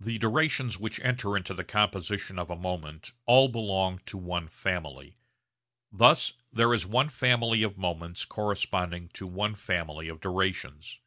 The durations which enter into the composition of a moment all belong to one family. Thus there is one family of moments corresponding to one family of durations.